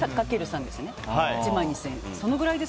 それで１万２０００円。